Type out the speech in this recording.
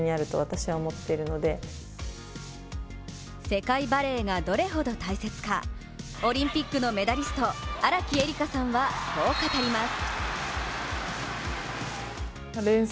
世界バレーがどれほど大切か、オリンピックのメダリスト、荒木絵里香さんはこう語ります。